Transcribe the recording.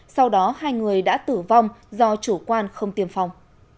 sau đó hai người đã tử vong do chủ quan không tiêm phòng